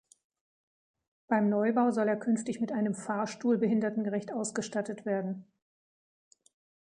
Beim Neubau soll er künftig mit einem Fahrstuhl behindertengerecht ausgestattet werden.